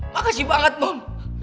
makasih banget mon